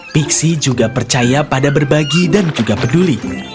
pixi juga percaya pada berbagi dan juga peduli